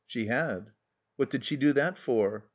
She had. What did she do that for?